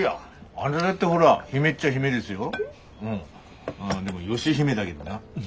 ああでも義姫だげどな。